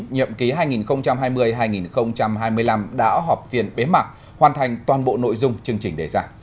nhiệm ký hai nghìn hai mươi hai nghìn hai mươi năm đã họp phiên bế mạc hoàn thành toàn bộ nội dung chương trình đề ra